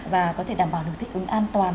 và có thể đảm bảo được thích ứng an toàn